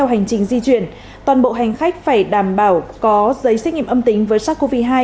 hành trình di chuyển toàn bộ hành khách phải đảm bảo có giấy xét nghiệm âm tính với sars cov hai